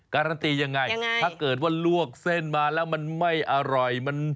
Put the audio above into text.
การันตียังไงถ้าเกิดว่าลวกเส้นมาแล้วมันไม่อร่อย